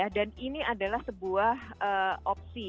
dan ini adalah sebuah opsi